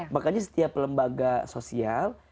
makanya setiap lembaga sosial